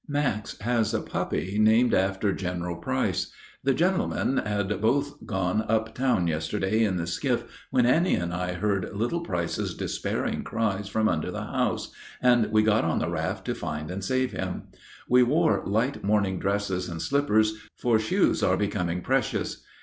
Max has a puppy named after General Price. The gentlemen had both gone up town yesterday in the skiff when Annie and I heard little Price's despairing cries from under the house, and we got on the raft to find and save him. We wore light morning dresses and slippers, for shoes are becoming precious.